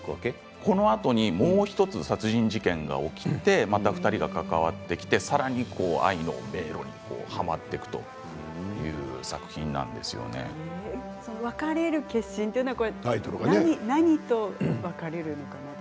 このあとにもう１つ殺人事件があって２人が関わってきてさらに、愛の迷路にはまっていく「別れる決心」というタイトル、何と別れるのかなって。